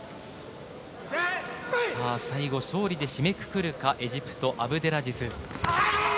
最後勝利で締めくくるかエジプト、アブデラジズ。